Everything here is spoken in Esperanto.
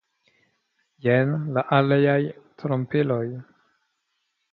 Jen la aliaj trompiloj.